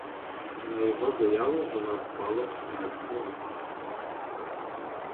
На його заяву вона впала б мертвою.